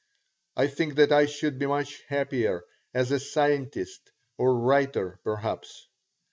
I think that I should be much happier as a scientist or writer, perhaps.